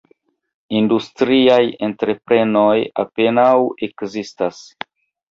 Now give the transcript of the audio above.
Industriaj entreprenoj apenaŭ ekzistas.